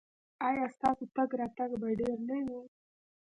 ایا ستاسو تګ راتګ به ډیر نه وي؟